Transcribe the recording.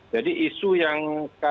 jadi isu yang sekarang ini berkomunikasi